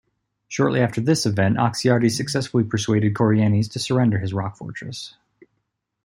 Shortly after this event, Oxyartes successfully persuaded Chorienes to surrender his rock fortress.